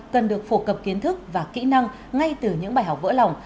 cần được phổ cập kiến thức và kỹ năng ngay từ những bài học vỡ lòng